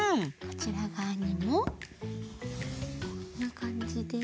こちらがわにもこんなかんじで。